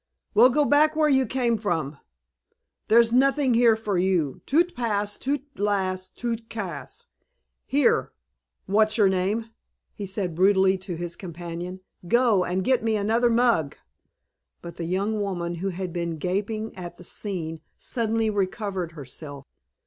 "Well, go back where you came from. There's nothing here for you. Tout passe, tout lasse, tout casse.... Here what's your name?" he said brutally to his companion. "Go and get me another mug." But the young woman, who had been gaping at the scene, suddenly recovered herself.